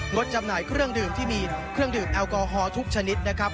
ดจำหน่ายเครื่องดื่มที่มีเครื่องดื่มแอลกอฮอลทุกชนิดนะครับ